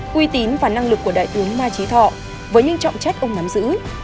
quy tín và năng lực của đại tướng ma trí thọ với những trọng trách ông nắm giữ